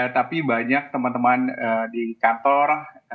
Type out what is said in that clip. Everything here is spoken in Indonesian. tapi banyak teman teman di kantor